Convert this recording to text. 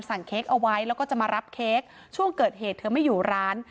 เค้กเอาไว้แล้วก็จะมารับเค้กช่วงเกิดเหตุเธอไม่อยู่ร้าน